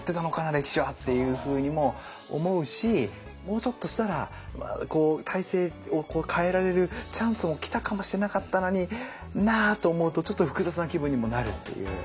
歴史は。っていうふうにも思うしもうちょっとしたら体制を変えられるチャンスも来たかもしれなかったのになと思うとちょっと複雑な気分にもなるっていう。